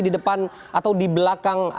di depan atau di belakang